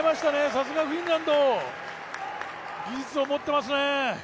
さすがフィンランド、技術を持っていますね。